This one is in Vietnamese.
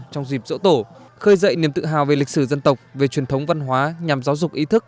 trong dịp dỗ tổ khơi dậy niềm tự hào về lịch sử dân tộc về truyền thống văn hóa nhằm giáo dục ý thức